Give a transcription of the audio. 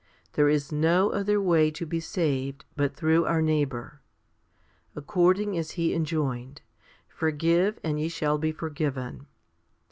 There is no other way to be saved but through our neighbour ; according as He enjoined, Forgive, and ye shall be forgiven.